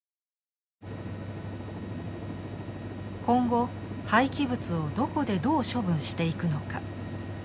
今後廃棄物をどこでどう処分していくのか。